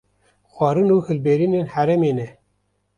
Xwarin û hilberînên herêmê ne